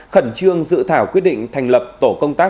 khẩn trương dự thảo quyết định thành lập tổ công tác